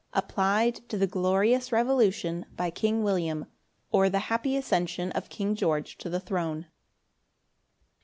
Applied to the glorious Revolution by King William, or the happy Accession of King George to the Throne.